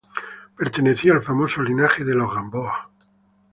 Pertenecía al famoso linaje de los Gamboa.